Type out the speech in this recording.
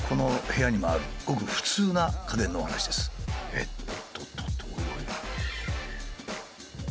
えっとっとっと。